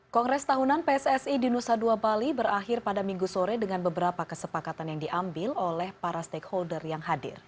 kongres tahunan pssi di nusa dua bali berakhir pada minggu sore dengan beberapa kesepakatan yang diambil oleh para stakeholder yang hadir